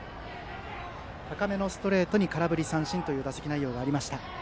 高めのストレートに空振り三振という打席内容がありました。